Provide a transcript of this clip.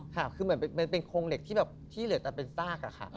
คือเหมือนเป็นโครงเหล็กที่เหลือแต่เป็นซาก